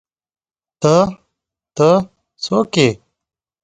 _ته، ته، څوک يې؟